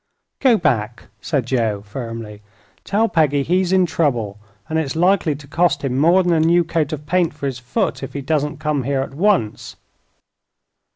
"Go back," said Joe, firmly. "Tell Peggy he's in trouble, and it's likely to cost him more than a new coat of paint for his foot if he doesn't come here at once."